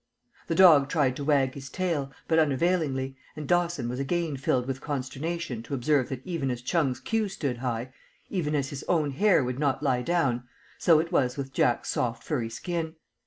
The dog tried to wag his tail, but unavailingly, and Dawson was again filled with consternation to observe that even as Chung's queue stood high, even as his own hair would not lie down, so it was with Jack's soft furry skin.